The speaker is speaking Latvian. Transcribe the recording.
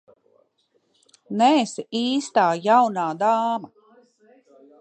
Neesi īstā jaunā dāma.